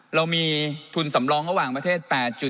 เรามีทุนสำรองระหว่างประเทศ๘๗